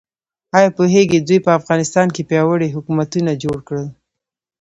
ایا پوهیږئ دوی په افغانستان کې پیاوړي حکومتونه جوړ کړل؟